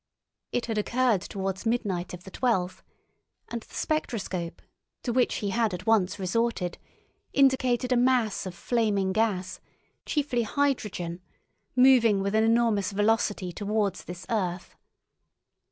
It had occurred towards midnight of the twelfth; and the spectroscope, to which he had at once resorted, indicated a mass of flaming gas, chiefly hydrogen, moving with an enormous velocity towards this earth.